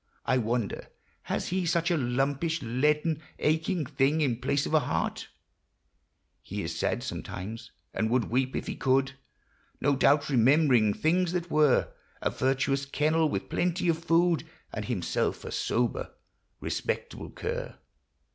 I wonder, has he such a lumpish, leaden, Aching thing in place of a heart ? He is sad sometimes, and would weep, if he could, No doubt, remembering things that were, — A virtuous kennel, with plenty of food, And himself a sober, respectable cur.